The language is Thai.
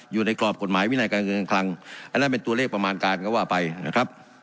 อยู่ในกรอบกฎหมายวินัยการเงินการคลังอันนั้นเป็นตัวเลขประมาณการก็ว่าไปนะครับ